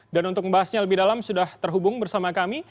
dan untuk membahasnya lebih dalam sudah terhubung bersama kami